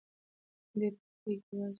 دی په کوټه کې یوازې و.